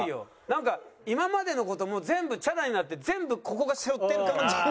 なんか今までの事もう全部チャラになって全部ここが背負ってる形になってる。